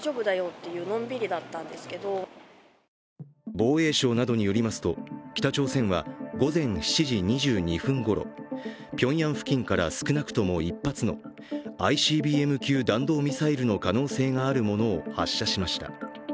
防衛省などによりますと北朝鮮は午前７時２２分ごろ、ピョンヤン付近から少なくとも１発のＩＣＢＭ級弾道ミサイルの可能性があるものを発射しました。